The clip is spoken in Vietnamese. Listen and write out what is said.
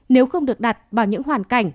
nếu không được đặt vào những hoàn cảnh